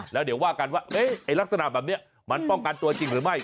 แล้วเดี๋ยวว่ากันว่าลักษณะแบบนี้มันป้องกันตัวจริงหรือไม่